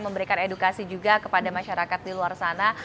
memberikan edukasi juga kepada masyarakat di luar sana